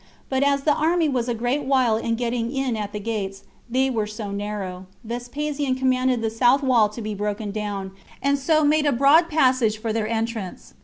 But as the army was a great while in getting in at the gates, they were so narrow, Vespasian commanded the south wall to be broken down, and so made a broad passage for their entrance.